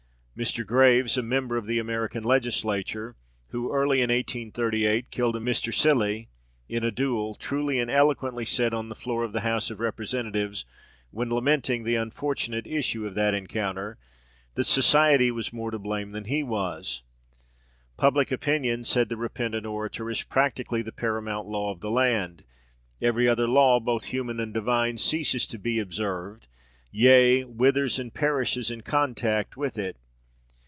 Mr. Graves, a member of the American legislature, who, early in 1838, killed a Mr. Cilley in a duel, truly and eloquently said, on the floor of the House of Representatives, when lamenting the unfortunate issue of that encounter, that society was more to blame than he was. "Public opinion," said the repentant orator, "is practically the paramount law of the land. Every other law, both human and divine, ceases to be observed; yea, withers and perishes in contact with it.